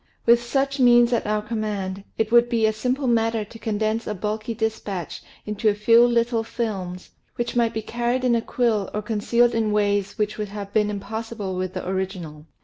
With such means at our command, it would be a simple matter to condense a bulky dispatch into a few little films, which might be carried in a quill or concealed in ways which would have been impossible with the origi nal.